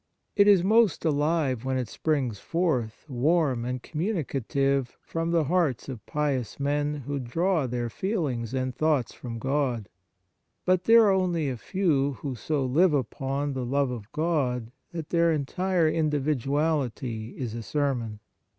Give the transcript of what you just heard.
It is most alive when it springs forth, warm and communicative, from the hearts of pious men who draw their feelings and thoughts from God. But there are only a few who so live upon the love of God that their entire individuality is a sermon.